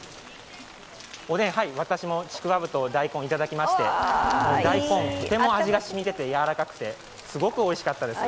おでん、私もちくわぶと大根をいただきまして、大根、とても味が染みててやわらかくてすごくおいしかったです。